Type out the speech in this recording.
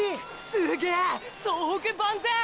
すげぇ総北万全！！